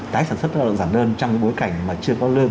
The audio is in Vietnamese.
tái sản xuất lao động giản đơn trong bối cảnh mà chưa có lương